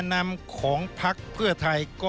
ส่วนต่างกระโบนการ